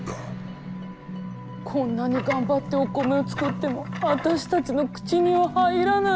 こんなに頑張ってお米を作っても私たちの口には入らない。